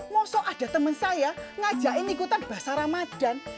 maksud ada temen saya ngajakin ikutan bahasa ramadhan